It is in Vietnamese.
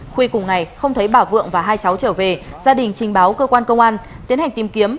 khuya cùng ngày không thấy bà vượng và hai cháu trở về gia đình trình báo cơ quan công an tiến hành tìm kiếm